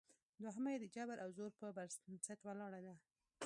دوهمه یې د جبر او زور پر بنسټ ولاړه ده